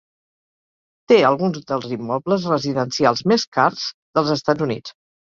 Té alguns dels immobles residencials més cars dels Estats Units.